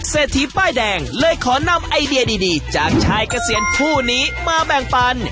เศรษฐีป้ายแดงเลยขอนำไอเดียดีจากชายเกษียณคู่นี้มาแบ่งปัน